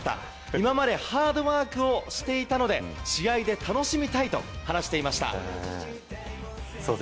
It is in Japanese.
今までハードワークをしていたので試合で楽しみたいと話していました。